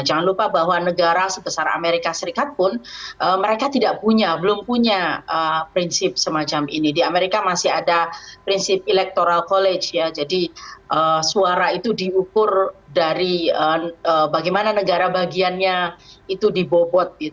jangan lupa bahwa negara sebesar amerika serikat pun mereka tidak punya belum punya prinsip semacam ini di amerika masih ada prinsip electoral college ya jadi suara itu diukur dari bagaimana negara bagiannya itu dibobot